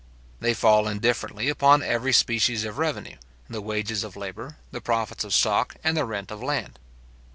They fall indifferently upon every species of revenue, the wages of labour, the profits of stock, and the rent of land.